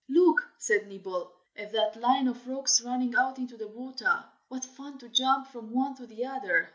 "Look!" said Nibble, "at that line of rocks running out into the water. What fun to jump from one to the other!